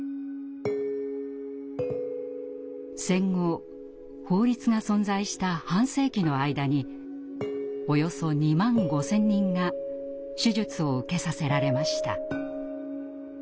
戦後法律が存在した半世紀の間におよそ２万５，０００人が手術を受けさせられました。